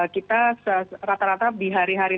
kita rata rata di hari hari